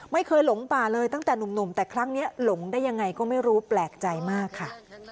หลงป่าเลยตั้งแต่หนุ่มแต่ครั้งนี้หลงได้ยังไงก็ไม่รู้แปลกใจมากค่ะ